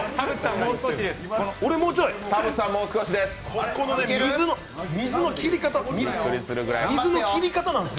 田渕さん、もう少しです。